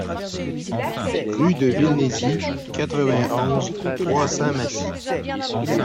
Rue de Vilgénis, quatre-vingt-onze, trois cents Massy